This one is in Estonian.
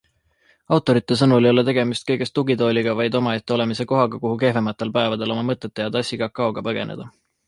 Autorite sõnul ei ole tegemist kõigest tugitooliga, vaid omaette olemise kohaga, kuhu kehvematel päevadel oma mõtete ja tassi kakaoga põgeneda.